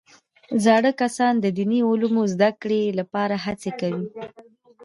زاړه کسان د دیني علومو زده کړې لپاره هڅې کوي